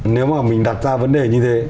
nếu mà mình đặt ra vấn đề như thế